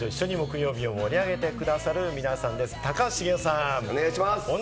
さぁ、私達と一緒に木曜日を盛り上げてくださる皆さんです。